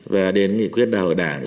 và đến nghị quyết đảo đảng